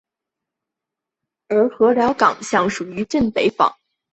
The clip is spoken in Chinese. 而禾寮港街属镇北坊。